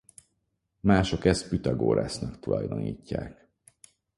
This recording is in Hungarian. Mások ezt Püthagorasznak tulajdonítják.